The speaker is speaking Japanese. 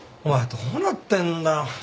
お前どうなってんだよ